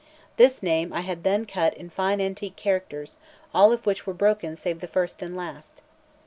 This name then I had cut in fine antique characters, all of which were broken save the first and last.